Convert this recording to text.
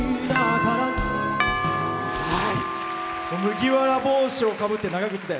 麦わら帽子をかぶって長靴で。